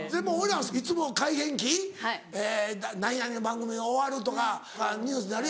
いつも改変期何々の番組が終わるとかニュースになるやん。